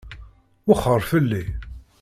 Wexxeṛ fell-i!